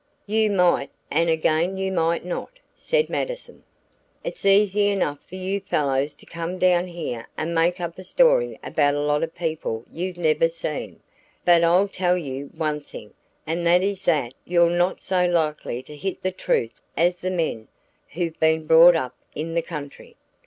"You might, and again you might not," said Mattison. "It's easy enough for you fellows to come down here and make up a story about a lot of people you've never seen, but I'll tell you one thing, and that is that you're not so likely to hit the truth as the men who've been brought up in the country.